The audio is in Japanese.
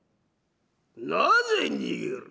なぜ逃げる！？